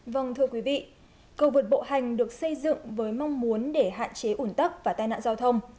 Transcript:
vâng thưa quý vị cầu vượt bộ hành được xây dựng với mong muốn để hạn chế ủn tắc và tai nạn giao thông